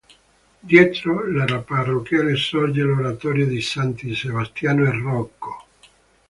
Dietro la parrocchiale sorge l'oratorio dei Santi Sebastiano e Rocco.